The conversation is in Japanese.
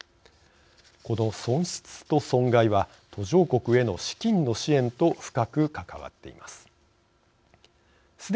この損失と損害は途上国への資金の支援と深く関わっています。